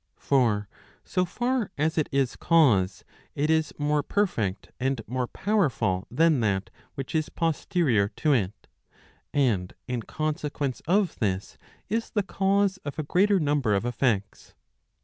For so far as it is cause, it is more perfect and more powerful than that which is posterior to it, and in consequence of this is the cause of a greater number of effects.